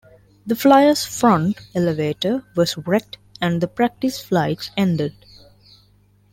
The Flyer's front elevator was wrecked and the practice flights ended.